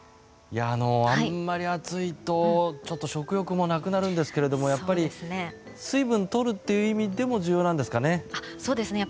あんまり暑いと、ちょっと食欲もなくなるんですけど水分を取るという意味でも重要なんですかね。